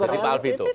jadi pak alvi itu